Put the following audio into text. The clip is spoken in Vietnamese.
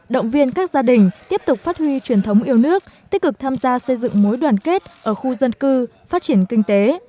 động viên các gia đình tiếp tục phát huy truyền thống yêu nước tích cực tham gia xây dựng mối đoàn kết ở khu dân cư phát triển kinh tế